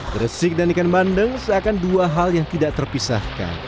gresik dan ikan bandeng seakan dua hal yang tidak terpisahkan